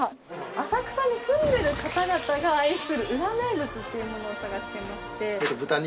浅草に住んでる方々が愛する裏名物というものを探してまして。